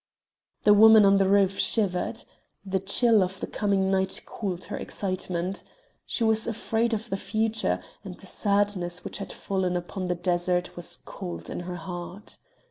The woman on the roof shivered. The chill of the coming night cooled her excitement. She was afraid of the future, and the sadness which had fallen upon the desert was cold in her heart.